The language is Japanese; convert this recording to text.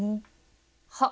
はっ！